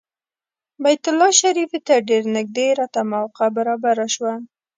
بیت الله شریفې ته ډېر نږدې راته موقع برابره شوه.